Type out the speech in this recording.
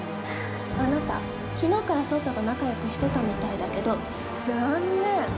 あなた、きのうから颯太と仲よくしてたみたいだけど残念！